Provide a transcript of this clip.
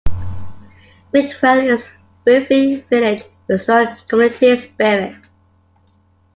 Whitwell is a thriving village with strong community spirit.